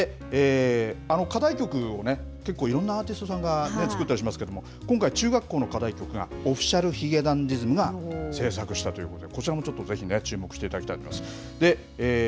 課題曲を、結構いろんなアーティストさんが作ったりしますけれども、今回中学校の課題曲が、Ｏｆｆｉｃｉａｌ髭男ｄｉｓｍが制作したということで、こちらもちょっとぜひ注目していただきたいと思います。